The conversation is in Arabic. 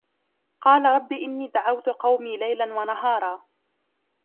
قَالَ رَبِّ إِنِّي دَعَوْتُ قَوْمِي لَيْلًا وَنَهَارًا